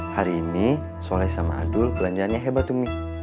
hari ini soleh sama adul belanjanya hebat umi